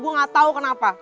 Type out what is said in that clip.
gue gak tau kenapa